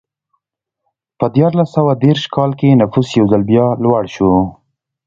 په دیارلس سوه دېرش کال کې نفوس یو ځل بیا لوړ شو.